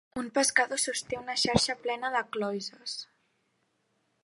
Un pescador sosté una xarxa plena de cloïsses.